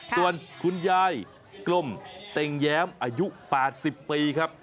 ส่วนคุณยายกลมเต็งแย้มอายุ๘๐ปีครับ